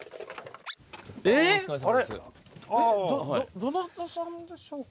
どどなた様でしょうか？